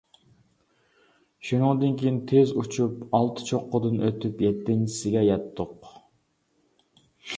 شۇنىڭدىن كېيىن تېز ئۇچۇپ، ئالتە چوققىدىن ئۆتۈپ، يەتتىنچىسىگە يەتتۇق.